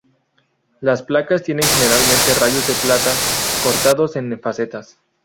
Las placas tienen generalmente rayos de plata cortados en facetas.